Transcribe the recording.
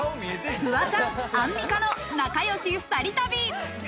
フワちゃんアンミカの仲良し２人旅。